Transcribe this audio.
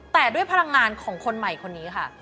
แต่ด้วยพลังงานของคนใหม่คนนี้ค่ะ